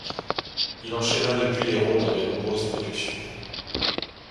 Il enchaina depuis les rôles dans de nombreuses productions.